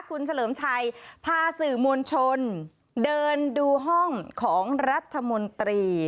คุณเฉลิมชัยพาสื่อมวลชนเดินดูห้องของรัฐมนตรี